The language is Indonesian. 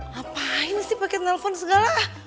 ngapain sih pakai telepon segala